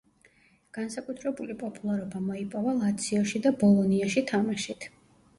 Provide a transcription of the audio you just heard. განსაკუთრებული პოპულარობა მოიპოვა ლაციოში და ბოლონიაში თამაშით.